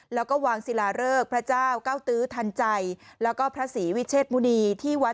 แล้วก็วางศิลาเริกพระเจ้าเก้าตื้อทันใจแล้วก็พระศรีวิเชษมุณีที่วัด